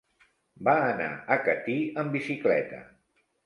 Va anar a Catí amb bicicleta.